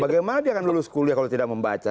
bagaimana dia akan lulus kuliah kalau tidak membaca